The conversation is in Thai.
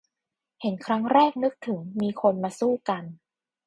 เห็นครั้งแรกนึกถึงมีคนมาสู้กัน